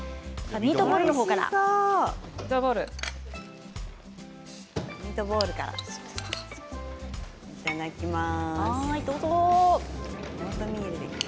ミートボールからいただきます。